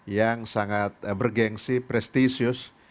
yang sangat bergensi prestisius